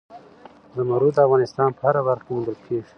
زمرد د افغانستان په هره برخه کې موندل کېږي.